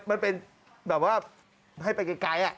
มันเป็นแบบว่าให้ไปไกล